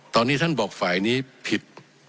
ตอนนี้ท่านบอกฝ่ายนี้ผิด